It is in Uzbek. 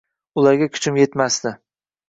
Ularga kuchim yetmasdi